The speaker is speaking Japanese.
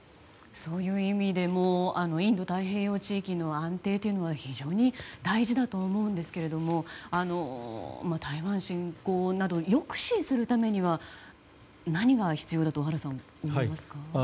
そういう意味でもインド太平洋地域の安定というのは非常に大事だと思うんですが台湾侵攻などを抑止するためには何が必要だと小原さんは思いますか？